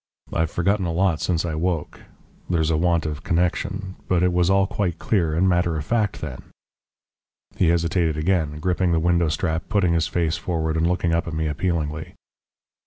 I've forgotten a lot since I woke there's a want of connection but it was all quite clear and matter of fact then." He hesitated again, gripping the window strap, putting his face forward and looking up at me appealingly.